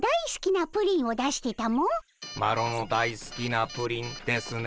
「マロのだいすきなプリン」ですね？